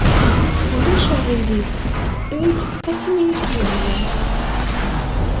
Ulac aɣilif. Eg akken ay ak-yehwa.